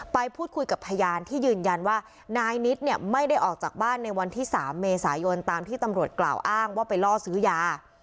ไปพูดคุยกับพยานที่ยืนยันว่านายนิดเนี่ยไม่ได้ออกจากบ้านในวันที่๓เมษายนตามที่ตำรวจกล่าวอ้างว่าไปล่อซื้อยา